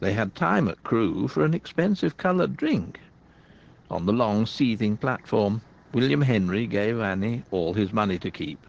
They had time at Crewe for an expensive coloured drink. On the long seething platform William Henry gave Annie all his money to keep.